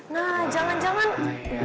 nah jangan jangan